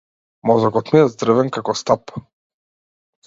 Мозокот ми е здрвен како стап.